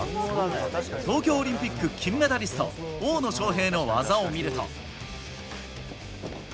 東京オリンピック金メダリスト、大野将平の技を見ると。